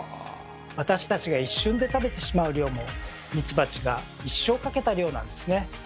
私たちが一瞬で食べてしまう量もミツバチが一生かけた量なんですね。